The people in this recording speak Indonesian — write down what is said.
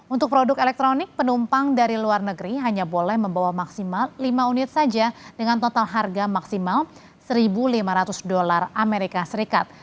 untuk produk elektronik penumpang dari luar negeri hanya boleh membawa maksimal lima unit saja dengan total harga maksimal satu lima ratus dolar amerika serikat